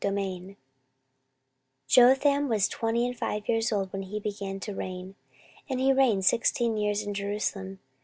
14:027:001 Jotham was twenty and five years old when he began to reign, and he reigned sixteen years in Jerusalem.